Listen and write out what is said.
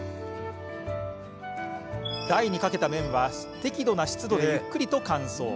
台にかけた麺は適度な湿度で、ゆっくりと乾燥。